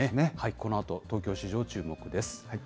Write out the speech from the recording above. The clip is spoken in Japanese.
このあと、東京市場、注目です。